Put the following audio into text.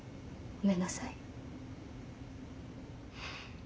ごめんなさい！